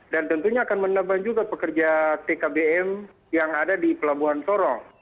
dan tentunya akan menambah juga pekerja tkbm yang ada di pelabuhan sorong